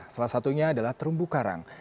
salah satunya adalah terumbu karang